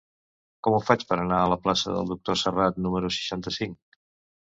Com ho faig per anar a la plaça del Doctor Serrat número seixanta-cinc?